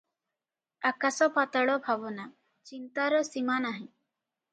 ଆକାଶ ପାତାଳ ଭାବନା, ଚିନ୍ତାର ସୀମା ନାହିଁ ।